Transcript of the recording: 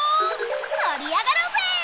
もりあがろうぜ！